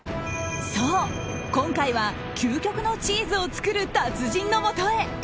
そう、今回は究極のチーズを作る達人のもとへ。